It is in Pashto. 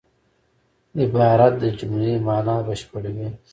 عبارت د جملې مانا بشپړوي.